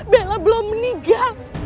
bella belum meninggal